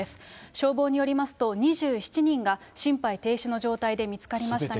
消防によりますと、２７人が心肺停止の状態で見つかりましたが。